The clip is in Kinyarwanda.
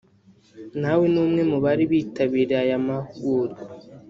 nawe ni umwe mu bari bitabiriye aya mahugurwa